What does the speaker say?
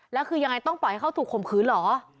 แล้วคือยังไงต้องปล่อยให้เขาถูกข่มขืนเหรอ